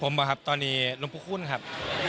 ผมอะครับตอนนี้หลวงพระคุณครับ